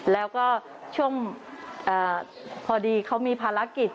แล้วก็ช่วงพอดีเขามีภารกิจ